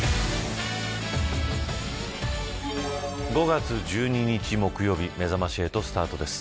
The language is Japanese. ５月１２日木曜日めざまし８スタートです。